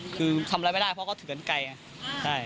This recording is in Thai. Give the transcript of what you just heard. คือทำอะไรไม่ได้เพราะเขาเถื่อนไกลไง